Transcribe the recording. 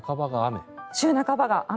週の半ばが雨。